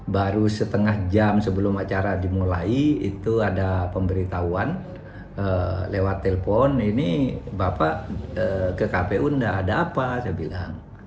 baru setengah jam sebelum acara dimulai itu ada pemberitahuan lewat telpon ini bapak ke kpu tidak ada apa saya bilang